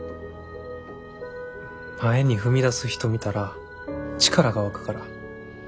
前に踏み出す人見たら力が湧くから。